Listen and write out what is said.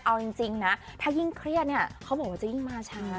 เอาจริงนะถ้ายิ่งเครียดเนี่ยเขาบอกว่าจะยิ่งมาช้า